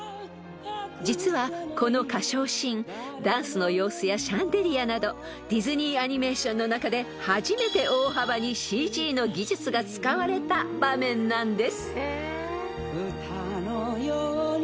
［実はこの歌唱シーンダンスの様子やシャンデリアなどディズニーアニメーションの中で初めて大幅にＣＧの技術が使われた場面なんです］